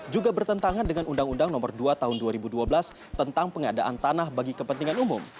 juga bertentangan dengan undang undang nomor dua tahun dua ribu dua belas tentang pengadaan tanah bagi kepentingan umum